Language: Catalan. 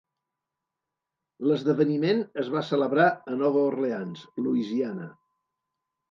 L'esdeveniment es va celebrar a Nova Orleans, Louisiana.